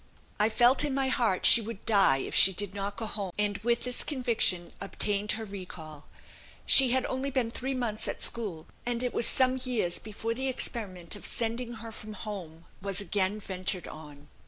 I felt in my heart she would die, if she did not go home, and with this conviction obtained her recall. She had only been three months at school; and it was some years before the experiment of sending her from home was again ventured on."